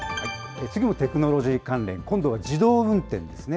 次もテクノロジー関連、今度は自動運転ですね。